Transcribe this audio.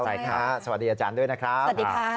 สวัสดีอาจารย์ด้วยนะครับ